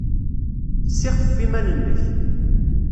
Ssixfef iman-nnek!